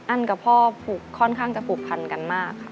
กับพ่อค่อนข้างจะผูกพันกันมากค่ะ